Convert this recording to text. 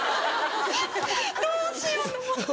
どうしようと思って。